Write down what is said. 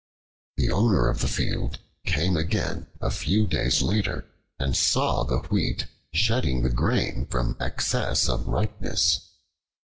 The owner of the field came again a few days later and saw the wheat shedding the grain from excess of ripeness.